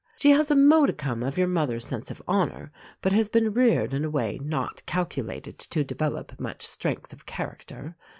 She has a modicum of your mother's sense of honour, but has been reared in a way not calculated to develop much strength of character.